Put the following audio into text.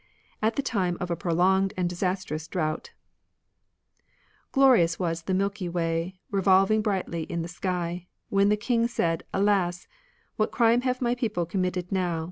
at the time of a prolonged and disastrous drought :— Glorious was the Milky Way, Revolving brightly in the sky, When the king said, Alas ! What crime have my people committed now.